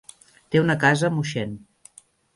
Té una casa a Moixent.